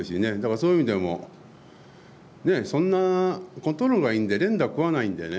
そういう意味ではそんなコントロールがいいので連打食わないのでね。